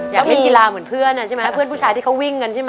อยากเล่นกีฬาเหมือนเพื่อนอ่ะใช่ไหมเพื่อนผู้ชายที่เขาวิ่งกันใช่ไหม